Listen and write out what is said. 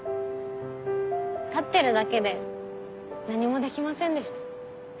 立ってるだけで何もできませんでした。